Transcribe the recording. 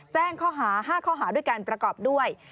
แจ้งข้อหา๕ข้อหาด้วยการประกอบด้วย